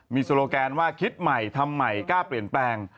มีโซโลแกนว่าคิดใหม่ทำใหม่กล้าเปลี่ยนแปลง